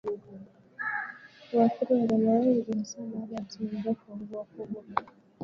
Huathiri wanyama wengi hasa baada ya msimu mrefu wa mvua kubwa